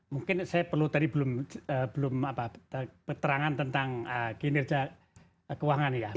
mungkin saya perlu tadi belum keterangan tentang kinerja keuangan ya